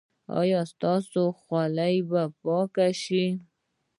ایا ستاسو خوله به پاکه شي؟